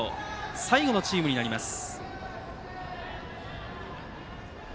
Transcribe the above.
最後のチームになります。